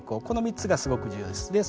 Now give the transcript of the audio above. この３つがすごく重要です。